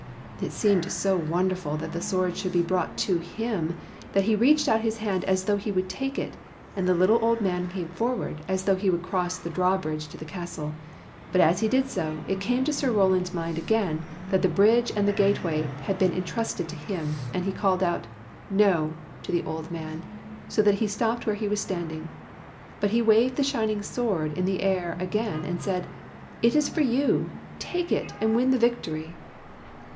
It seemed so wonderful that the sword should be brought to him, that he reached out his hand as though he would take it, and the little old man came forward, as though he would cross the drawbridge into the castle. But as he did so, it came to Sir Roland's mind again that that bridge and the gateway had been intrusted to him, and he called out " No! " to the old man, so that he stopped where he was standing. But he waved the shining sword in the air again, and said: " It is for you! Take it, and win the victory!